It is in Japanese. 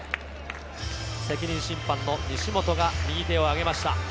責任審判の西本が右手を挙げました。